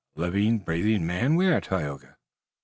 "A living, breathing man! where, Tayoga?"